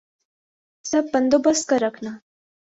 سب بندوبست کر رکھنا